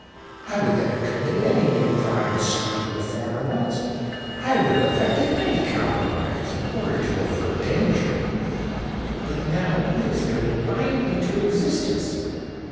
I would then have committed any new crime to screen the former ones: I would have effected any compromise in order to avert danger. But now—what is there to bind me to existence?